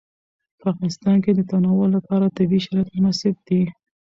په افغانستان کې د تنوع لپاره طبیعي شرایط مناسب دي.